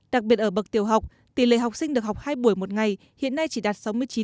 đặc biệt ở bậc tiểu học tỷ lệ học sinh được học hai buổi một ngày hiện nay chỉ đạt sáu mươi chín